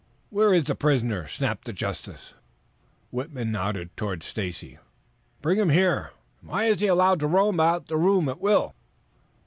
"Where is the prisoner?" snapped the justice. Whitman nodded towards Stacy. "Bring him here! Why is he allowed to roam about the room at will?"